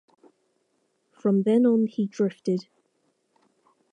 From then on he drifted.